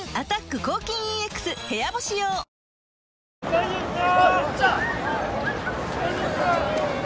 大丈夫ですか？